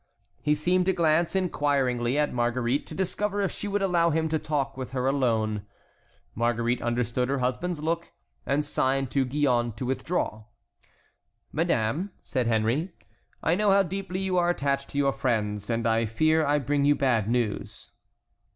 He seemed to glance inquiringly at Marguerite to discover if she would allow him to talk with her alone. Marguerite understood her husband's look, and signed to Gillonne to withdraw. "Madame," said Henry, "I know how deeply you are attached to your friends, and I fear I bring you bad news."